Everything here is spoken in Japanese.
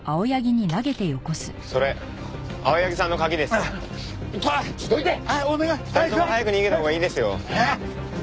２人とも早く逃げたほうがいいですよ。